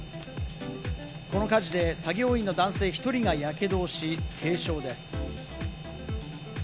この火事で、作業員の男性１人がやけどをし、軽傷です。